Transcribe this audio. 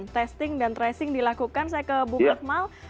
testing dan tracing dilakukan saya ke bu akmal